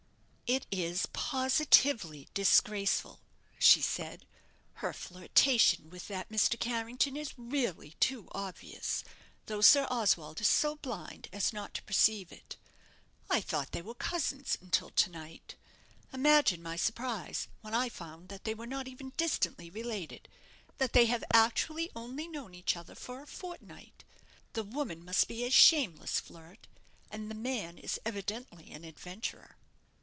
"It is positively disgraceful," she said; "her flirtation with that Mr. Carrington is really too obvious, though Sir Oswald is so blind as not to perceive it. I thought they were cousins until to night. Imagine my surprise when I found that they were not even distantly related; that they have actually only known each other for a fortnight. The woman must be a shameless flirt, and the man is evidently an adventurer."